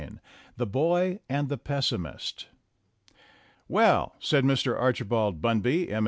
IX THE BOY AND THE PESSIMIST "TT TELL," said Mr. Archibald Bunby, M.